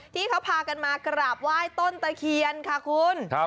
ที่เขาพากันมากราบไหว้ต้นตะเคียนค่ะคุณ